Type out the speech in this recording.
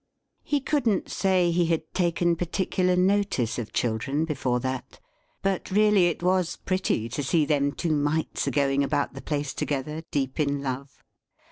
He couldn't say he had taken particular notice of children before that; but really it was pretty to see them two mites a going about the place together, deep in love.